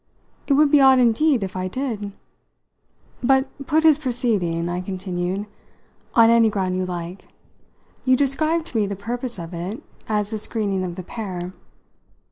"It would be odd indeed if I did! But put his proceeding," I continued, "on any ground you like; you described to me the purpose of it as a screening of the pair."